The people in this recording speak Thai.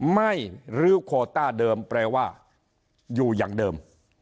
ไม่รู้โคต้าเดิมแปลว่าอยู่อย่างเดิม